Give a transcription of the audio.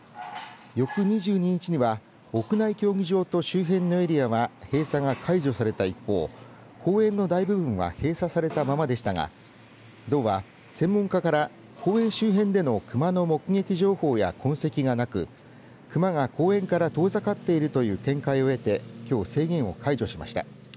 翌２２日には屋内競技場と周辺のエリアは閉鎖が解除された一方公園の大部分は閉鎖されたままでしたが道は専門家から公園周辺での熊の目撃情報や痕跡がなく熊が公園から遠ざかっているという見解を得てきょう、制限を解除しました。